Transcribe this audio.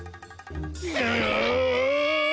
うん！